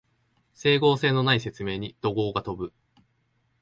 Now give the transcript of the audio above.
整合性のない説明に怒声が飛ぶ